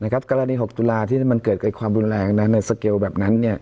กรณี๖ตุลาที่มันเกิดความรุนแรงในสเกลแบบนั้น